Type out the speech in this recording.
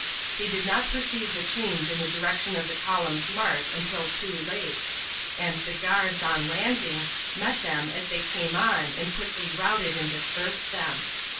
They did not perceive the change in the direction of the column's march until too late, and the guards, on landing, met them as they came on and quickly routed and dispersed them.